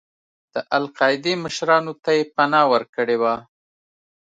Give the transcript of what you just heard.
د القاعدې مشرانو ته یې پناه ورکړې وه.